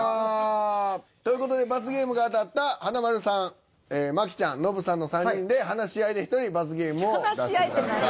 という事で罰ゲームが当たった華丸さん麻貴ちゃんノブさんの３人で話し合いで１人罰ゲームを出してください。